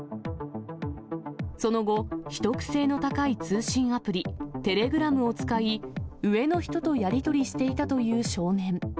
その後、秘匿性の高い通信アプリ、テレグラムを使い、上の人とやり取りしていたという少年。